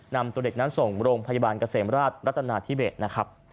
นำตัวเด็กนั้นส่งโรงพยาบาลเกษมราชรัตนาธิเบสนะครับ